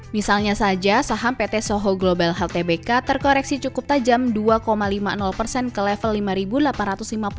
misalnya saja saham pt soho global healtbk terkoreksi cukup tajam dua lima puluh persen ke level rp lima delapan ratus lima puluh